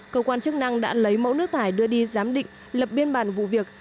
cơ quan chức năng đã lấy mẫu nước thải đưa đi giám định lập biên bản vụ việc